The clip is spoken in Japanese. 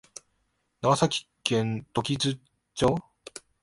長崎県時津町